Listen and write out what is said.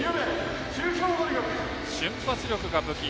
瞬発力が武器